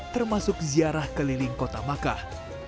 termasuk ziarah keliling kota makkah